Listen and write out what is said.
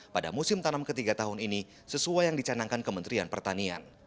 pada musim tanam ketiga tahun ini sesuai yang dicanangkan kementerian pertanian